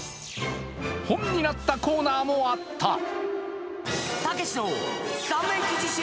本になったコーナーもあった。